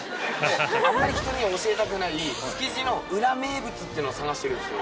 あんまり人には教えたくない築地の裏名物ってのを探してるんですよ